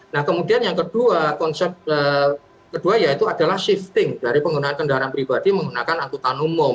nah kemudian yang kedua konsep kedua yaitu adalah shifting dari penggunaan kendaraan pribadi menggunakan angkutan umum